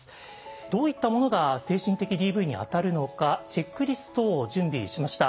どういったものが精神的ＤＶにあたるのかチェックリストを準備しました。